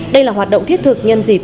đây là hoạt động thiết thực nhân dịp